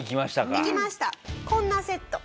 こんなセット